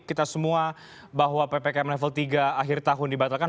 kita semua bahwa ppkm level tiga akhir tahun dibatalkan